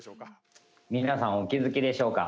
皆さんお気付きでしょうか？